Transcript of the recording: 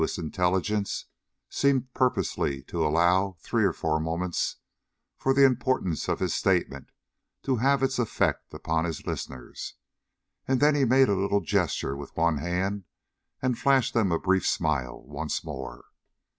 S. Intelligence seemed purposely to allow three or four moments for the importance of his statement to have its effect upon his listeners, and then he made a little gesture with one hand, and flashed them a brief smile once more.